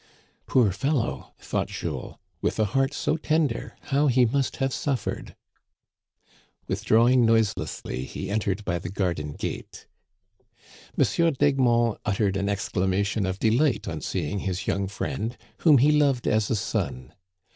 " Poor fellow !" thought Jules, " with a heart so tender, how he must have suffered !" Withdrawing noiselessly, he entered by the garden gate. M. d'Egmont uttered an exclamation of delight on seeing his young friend, whom he loved as a son.